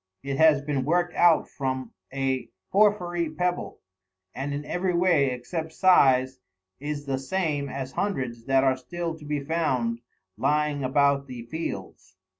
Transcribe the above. It has been worked out from a porphyry pebble, and in every way, except size, is the same as hundreds that are still to be found lying about the fields.